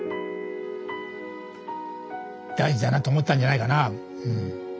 大事だなと思ったんじゃないかな。